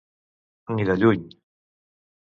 Ni de lluny.